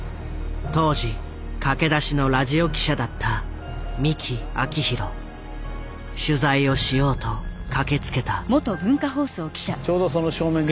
当時駆け出しのラジオ記者だった取材をしようと駆けつけた。